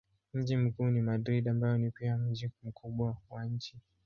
Mji mkuu ni Madrid ambayo ni pia mji mkubwa wa nchi.